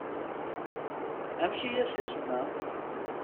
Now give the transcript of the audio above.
Amek i as-isema?